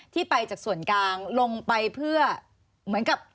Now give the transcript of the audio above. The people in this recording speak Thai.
ที่ไปจากส่วนกลางลงไปเพื่อเหมือนกับ